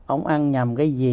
ông ăn nhầm cái gì